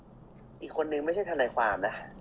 เพราะว่ามีทีมนี้ก็ตีความกันไปเยอะเลยนะครับ